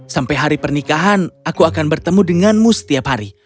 sampai hari pernikahan aku akan bertemu denganmu setiap hari